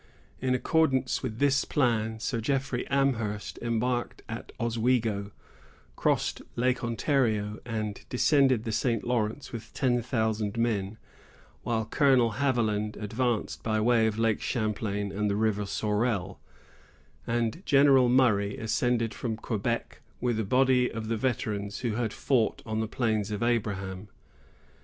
In accordance with this plan, Sir Jeffrey Amherst embarked at Oswego, crossed Lake Ontario, and descended the St. Lawrence with ten thousand men; while Colonel Haviland advanced by way of Lake Champlain and the River Sorel, and General Murray ascended from Quebec, with a body of the veterans who had fought on the Plains of Abraham.